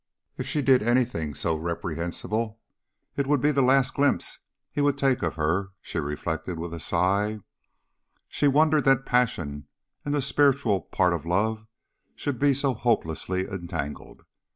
If she did anything so reprehensible, it would be the last glimpse he would take of her, she reflected with a sigh, She wondered that passion and the spiritual part of love should be so hopelessly entangled.